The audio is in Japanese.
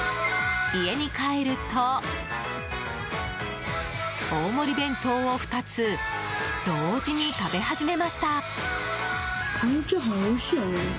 家に帰ると、大盛り弁当を２つ同時に食べ始めました。